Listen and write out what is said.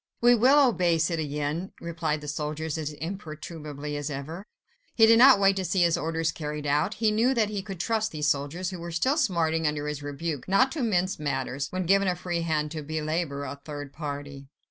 "We will obey, citoyen," replied the soldiers as imperturbably as ever. He did not wait to see his orders carried out: he knew that he could trust these soldiers—who were still smarting under his rebuke—not to mince matters, when given a free hand to belabour a third party.